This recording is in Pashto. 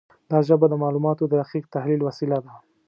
دا ژبه د معلوماتو د دقیق تحلیل وسیله ده.